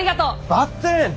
ばってん！